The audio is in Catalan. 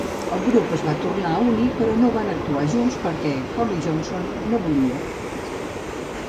El grup es va tornar a unir però no van actuar junts perquè Holly Johnson no volia.